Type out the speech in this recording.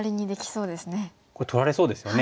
これ取られそうですよね。